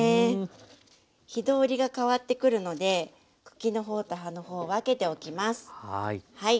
火通りが変わってくるので茎の方と葉の方分けておきます。